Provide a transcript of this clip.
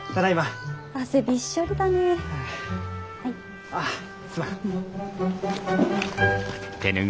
ああすまん。